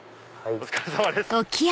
お疲れさまです。